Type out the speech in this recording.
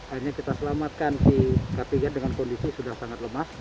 akhirnya kita selamatkan si kartija dengan kondisi sudah sangat lemah